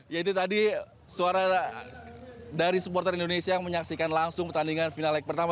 ya itu tadi suara dari supporter indonesia yang menyaksikan langsung pertandingan final leg pertama